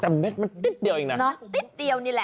แต่เม็ดมันติ๊ดเดียวเองนะ